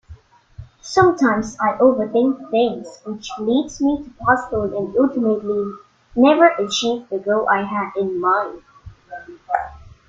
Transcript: Sometimes I overthink things which leads me to postpone and ultimately never achieve the goal I had in mind.